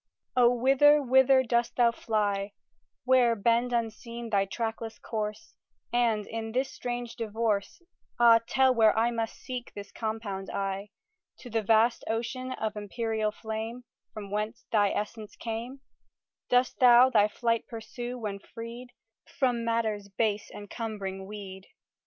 O whither, whither dost thou fly, Where bend unseen thy trackless course, And in this strange divorce, Ah, tell where I must seek this compound I? To the vast ocean of empyreal flame, From whence thy essence came, Dost thou thy flight pursue, when freed From matter's base encumbering weed?